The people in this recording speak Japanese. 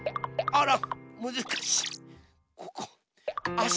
あら。